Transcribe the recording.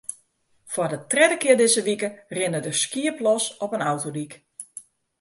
Foar de tredde kear dizze wike rinne der skiep los op in autodyk.